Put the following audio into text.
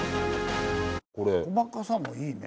細かさもいいね。